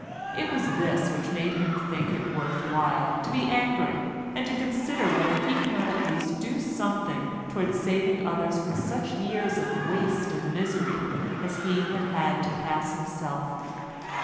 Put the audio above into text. It was this which made him think it worth while to be angry, and to consider whether he could not at least do something towards saving others from such years of waste and misery as he had had to pass himself.